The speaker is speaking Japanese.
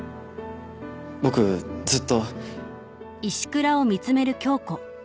僕ずっと